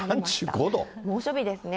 猛暑日ですね。